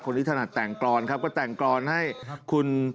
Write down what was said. คนนี้ถนัดแต่งกรรณ์